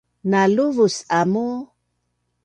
naluvus amu